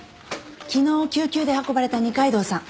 昨日救急で運ばれた二階堂さん